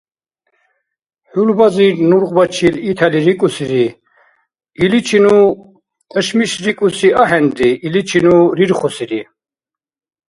ХӀулбазир нургъбачил итхӀели рикӀусири: «Иличи ну ташмишрикӀуси ахӀенри, иличи ну рирхусири».